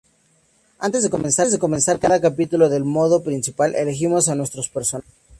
Antes de comenzar cada capítulo del modo principal, elegimos a nuestro personaje.